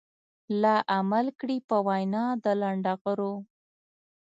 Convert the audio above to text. لا عمل کړي په وينا د لنډغرو.